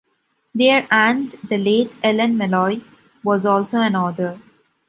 Their aunt, the late Ellen Meloy, was also an author.